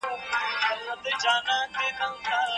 هغه ونه چې مېوه نه ورکوي، د سیوري لپاره ده.